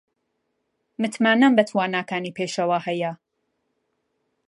متمانەم بە تواناکانی پێشەوا هەیە.